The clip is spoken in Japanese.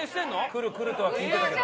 「来る来る」とは聞いてたけど。